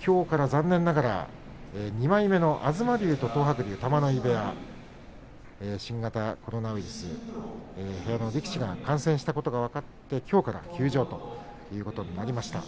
きょうから残念ながら東龍、東白龍の玉ノ井部屋新型コロナウイルスへの影響で部屋の力士が感染したということで、きょうから休場ということになりました。